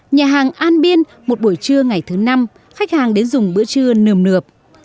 nhà hàng an biên một buổi trưa ngày thứ năm khách hàng đến dùng bữa trưa nờm nượp